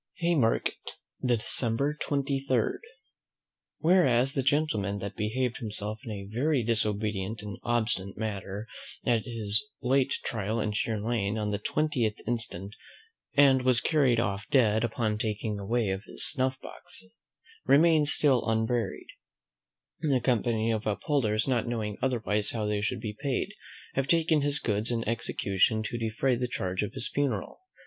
Haymarket, December 23. Whereas the gentleman that behaved himself in a very disobedient and obstinate manner at his late trial in Sheer Lane on the twentieth instant, and was carried off dead upon taking away of his snuff box, remains still unburied; the company of Upholders, not knowing otherwise how they should be paid, have taken his goods in execution to defray the charge of his funeral.